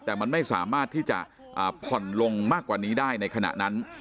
แต่มันไม่สามารถที่จะผ่อนลงมากกว่านี้ได้ในขณะนั้น